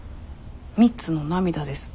３つの涙です。